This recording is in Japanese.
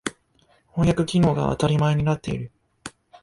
翻訳機能が当たり前になっている。